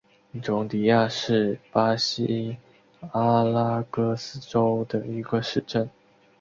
容迪亚是巴西阿拉戈斯州的一个市镇。